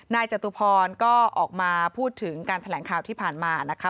จตุพรก็ออกมาพูดถึงการแถลงข่าวที่ผ่านมานะคะ